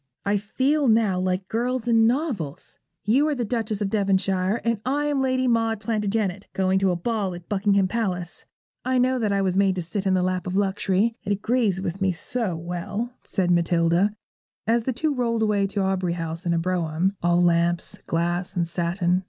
'I feel now like girls in novels. You are the Duchess of Devonshire and I am Lady Maud Plantagenet, going to a ball at Buckingham Palace. I know that I was made to sit in the lap of luxury: it agrees with me so well,' said Matilda, as the two rolled away to Aubrey House in a brougham, all lamps, glass, and satin.